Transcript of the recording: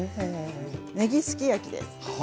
ねぎすき焼きです。